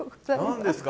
何ですか？